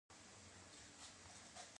ایا زه باید سپینه ډوډۍ وخورم؟